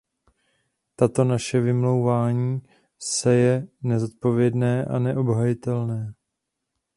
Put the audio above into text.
Toto naše vymlouvání se je nezodpovědné a neobhajitelné.